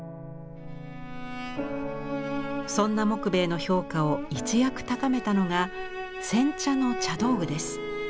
そんな木米の評価を一躍高めたのが煎茶の茶道具です。